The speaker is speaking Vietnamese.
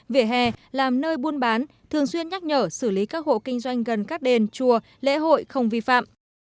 vỉa hè làm nơi buôn bán thường xuyên nhắc nhở xử lý các hộ kinh doanh gần các đền chùa lễ hội không vi phạm